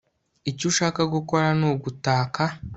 icyo ushaka gukora ni ugutaka